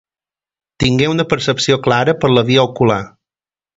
Tingué una percepció clara per la via ocular.